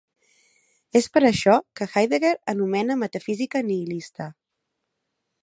És per això que Heidegger anomena metafísica nihilista.